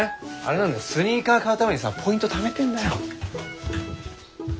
スニーカー買うためにさポイントためてんだよ。